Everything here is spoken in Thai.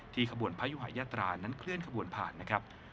ขบวนพระยุหายาตรานั้นเคลื่อนขบวนผ่านนะครับ